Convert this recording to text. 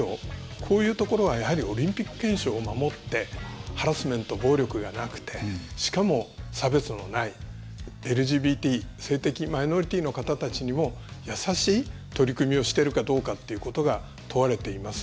こういうところはオリンピック憲章を守ってハラスメント、暴力じゃなくてしかも差別のないＬＧＢＴ、性的マイノリティーの方たちにも優しい取り組みをしてるかどうかということが問われています。